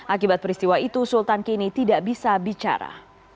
akibat peristiwa itu sultan kini tidak bisa bicara